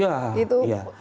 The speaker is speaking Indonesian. itu bagaimana berapa jumlah